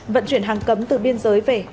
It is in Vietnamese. vận chuyển hàng cấm từ biên giới về